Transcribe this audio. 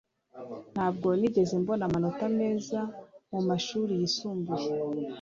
ntabwo nigeze mbona amanota meza mumashuri yisumbuye